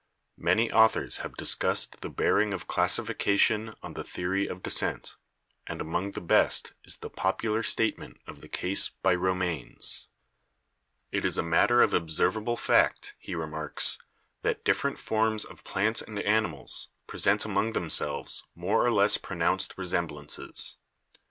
Many authors have discussed the bearing of classification on the theory of descent, and among the best is the popular statement of the case by Romanes. "It is a matter of observable fact," he remarks, "that different forms of plants and animals present among them selves more or less pronounced resemblances.